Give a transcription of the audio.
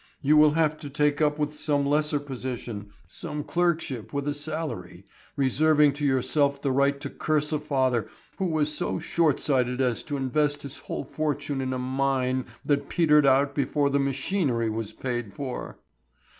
You will have to take up with some lesser position, some clerkship with a salary, reserving to yourself the right to curse a father who was so shortsighted as to invest his whole fortune in a mine that petered out before the machinery was paid for."